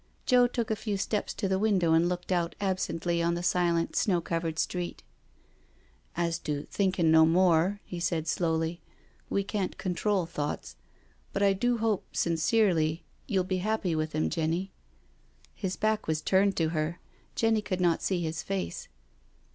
Joe took a few steps to the window and looked out absently on the silent, snow covered street. " As to thinkin' no more," he said slowly, " we can't control thoughts — but I do hope sincerely you'll be happy with him, Jenny." His back was turned to her. Jenny could not see his face.